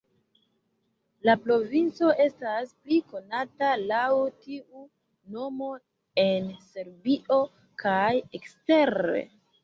La provinco estas pli konata laŭ tiu nomo en Serbio kaj ekstere.